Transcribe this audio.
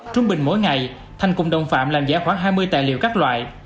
trung bình mỗi ngày thanh cùng đồng phạm làm giả khoảng hai mươi tài liệu các loại